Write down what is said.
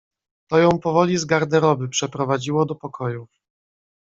"To ją powoli z garderoby przeprowadziło do pokojów."